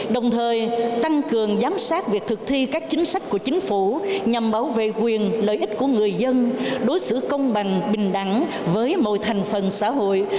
đồng thời tăng cường giám sát việc thực thi các chính sách của chính phủ nhằm bảo vệ quyền lợi ích của người dân đối xử công bằng bình đẳng với mọi thành phần xã hội